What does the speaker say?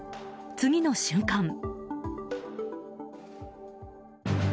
次の瞬間。